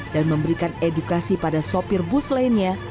dan memberikan edukasi pada sopir bus lainnya